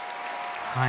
はい。